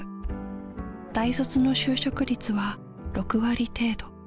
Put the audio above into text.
大卒の就職率は６割程度。